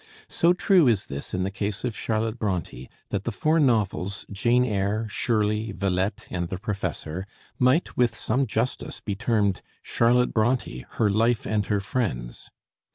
So true is this in the case of Charlotte Bronté that the four novels 'Jane Eyre,' 'Shirley,' 'Villette,' and 'The Professor' might with some justice be termed 'Charlotte Bronté; her life and her friends.'